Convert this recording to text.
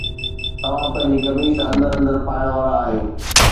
توهان پنهنجي قميص اندر اندر پائڻ وارا آهيو